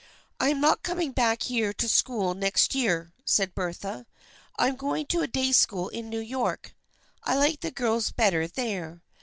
" I am not coming back here to school next year," said Bertha. " I am going to a day school in New York. I like the girls better there.